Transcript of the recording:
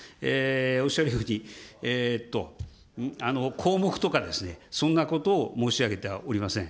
おっしゃるように、項目とかですね、そんなことを申し上げてはおりません。